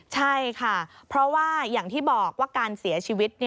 ใช่ค่ะเพราะว่าอย่างที่บอกว่าการเสียชีวิต